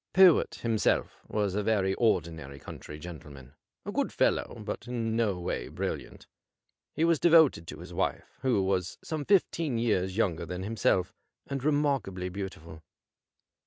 Pyrwhit himself was a very ordi 84 CASE OF VINCENT PYRWHIT naiy country gentleman, a good fellow, but in no way brilliant. He was devoted to his wife, who was some fifteen years younger than himself, and remarkably beautiful.